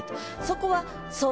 そこは。